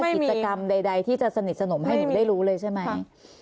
กิจกรรมใดที่จะสนิทสนมให้หนูได้รู้เลยใช่ไหม